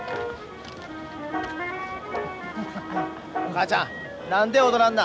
母ちゃん何で踊らんな。